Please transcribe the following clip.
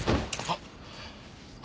あっ！